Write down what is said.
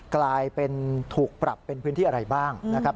กลายเป็นถูกปรับเป็นพื้นที่อะไรบ้างนะครับ